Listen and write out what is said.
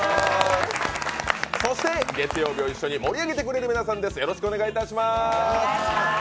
そして月曜日を一緒に盛り上げてくれる皆さんです、よろしくお願いします。